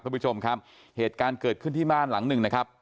คุณผู้ชมครับเหตุการณ์เกิดขึ้นที่บ้านหลังหนึ่งนะครับ